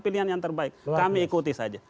pilihan yang terbaik kami ikuti saja